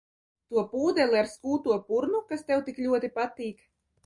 To pūdeli ar skūto purnu, kas tev tik ļoti patīk?